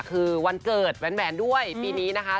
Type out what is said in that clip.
คือวันเกิดแหวนด้วยปีนี้นะคะ